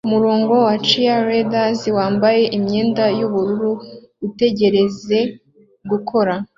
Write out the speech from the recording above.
Umurongo wa cheerleaders wambaye imyenda yubururu utegereze gukora